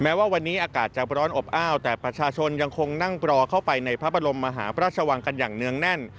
เอาแต่ประชาชนยังคงนั่งปลอเข้าไปในพระบรมมหาพระชวังกันอย่างเนื้องแน่น